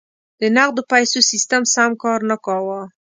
د نغدو پیسو سیستم سم کار نه کاوه.